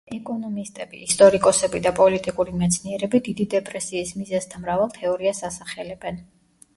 ეკონომისტები, ისტორიკოსები და პოლიტიკური მეცნიერები დიდი დეპრესიის მიზეზთა მრავალ თეორიას ასახელებენ.